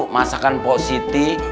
masakan pak siti